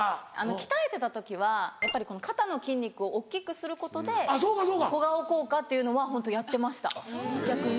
鍛えてた時はやっぱりこの肩の筋肉を大っきくすることで小顔効果っていうのはホントやってました逆に。